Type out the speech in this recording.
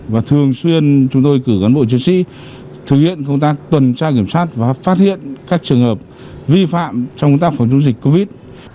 và thường xuyên chúng tôi cử cán bộ chiến sĩ thực hiện công tác tuần tra kiểm soát và phát hiện các trường hợp vi phạm trong công tác phòng chống dịch covid